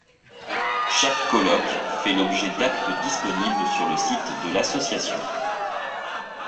Chaque colloque fait l’objet d’actes disponibles sur le site de l’association.